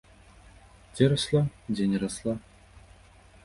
Дзе расла, дзе не расла.